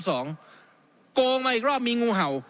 โกงมาอีกรอบมีงูเห่า